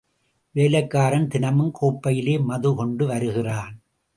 வேலைக்காரன் தினமும் கோப்பையிலே மது கொண்டு வருகிறான்.